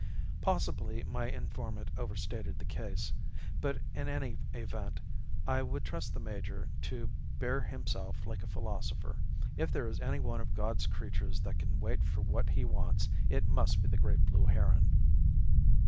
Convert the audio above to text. Possibly my informant overstated the case; but in any event I would trust the major to bear himself like a philosopher. If there is any one of God's creatures that can wait for what he wants, it must be the great blue heron.